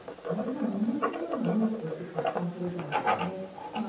あれがものすごいニュースとして拡散されたわけですよね。